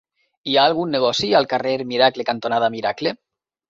Hi ha algun negoci al carrer Miracle cantonada Miracle?